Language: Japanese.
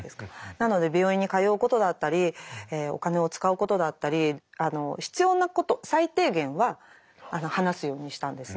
なので病院に通うことだったりお金を使うことだったり必要なこと最低限は話すようにしたんですね。